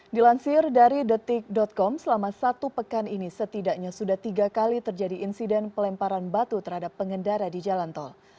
dilansir dari detik com selama satu pekan ini setidaknya sudah tiga kali terjadi insiden pelemparan batu terhadap pengendara di jalan tol